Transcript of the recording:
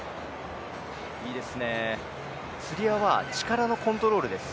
いいですね、つり輪は力のコントロールです。